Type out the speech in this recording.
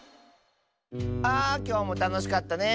あきょうもたのしかったね。